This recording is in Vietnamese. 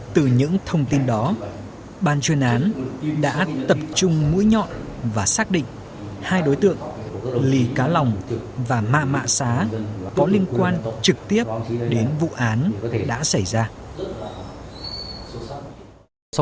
từ những thông tin đó ban chuyên án đã tập trung mũi nhọn và xác định hai đối tượng ly cá lòng và ma mạ xá có liên quan trực tiếp đến vụ án đã xảy ra